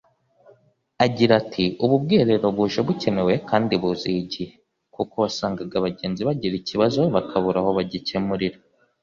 Agira ati “Ubu bwiherero buje bukenewe kandi buziye igihe kuko wasangaga abagenzi bagira ikibazo bakabura aho bagikemurira